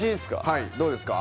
はいどうですか？